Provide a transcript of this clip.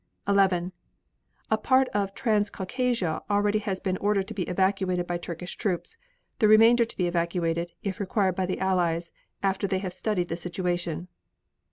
11. A part of Transcaucasia already has been ordered to be evacuated by Turkish troops. The remainder to be evacuated, if required by the Allies, after they have studied the situation.